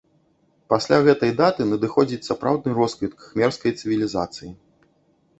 Пасля гэтай даты надыходзіць сапраўдны росквіт кхмерскай цывілізацыі.